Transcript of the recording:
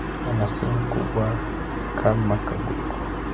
Ana simu kubwa kama/ka buku